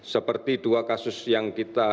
seperti dua kondisi